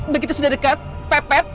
begitu sudah dekat pepet